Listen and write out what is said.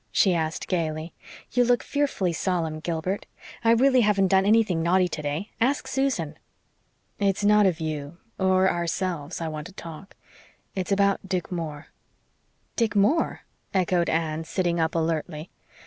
she asked gaily. "You look fearfully solemn, Gilbert. I really haven't done anything naughty today. Ask Susan." "It's not of you or ourselves I want to talk. It's about Dick Moore." "Dick Moore?" echoed Anne, sitting up alertly.